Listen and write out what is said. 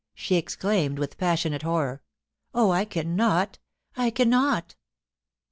she exclaimed, with passionate liorror. * Oh, I cannot — I cannot !'